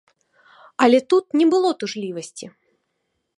Але тут не было тужлівасці.